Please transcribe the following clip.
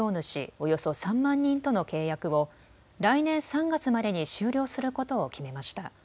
およそ３万人との契約を来年３月までに終了することを決めました。